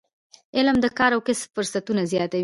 علم د کار او کسب فرصتونه زیاتوي.